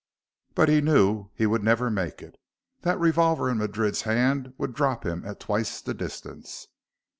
But he knew he would never make it. That revolver in Madrid's hand would drop him at twice the distance.